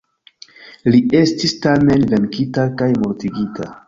Li estis tamen venkita kaj mortigita.